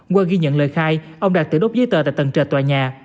qua ghi nhận lời khai ông đạt tử đốt giấy tờ tại tầng trời tòa nhà